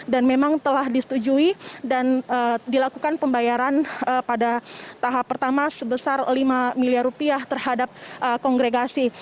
dan memang telah disetujui dan dilakukan pembayaran pada tahap pertama sebesar lima miliar rupiah terhadap kongregasi